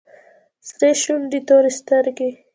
سرې شونډې تورې سترگې.